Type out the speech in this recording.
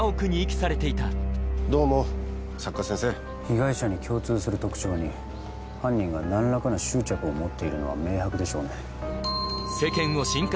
被害者に共通する特徴に犯人が何らかの執着を持っているのは明白でしょうね。